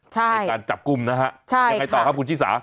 ใช่ใช่ค่ะคุณชิสาการจับกุมนะฮะ